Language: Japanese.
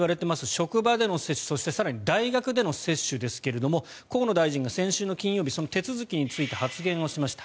職場での接種更に大学での接種ですが河野大臣が先週の金曜日手続きについて発言をしました。